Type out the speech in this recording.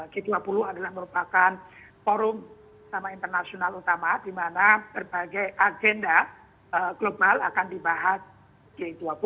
k dua puluh adalah merupakan forum sama internasional utama dimana berbagai agenda global akan dibahas k dua puluh